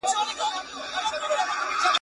چي د کڼو غوږونه وپاڅوي.